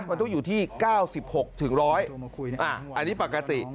มันต้องอยู่ที่๙๖๑๐๐อันนี้ปกติ